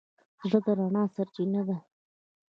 زړه د رڼا سرچینه ده.